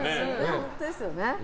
本当ですよね。